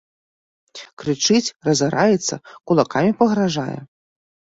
Крычыць, разараецца, кулакамі пагражае.